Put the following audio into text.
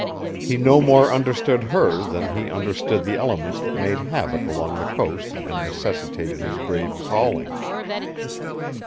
He no more understood her than he understood the elements that made havoc along the coast and necessitated his brave calling.